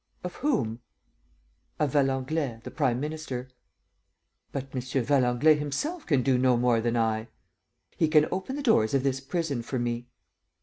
"Of whom?" "Of Valenglay, the prime minister." "But M. Valenglay himself can do no more than I." "He can open the doors of this prison for me."